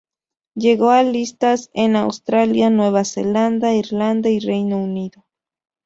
Llegó a listas en Australia, Nueva Zelanda, Irlanda y Reino Unido.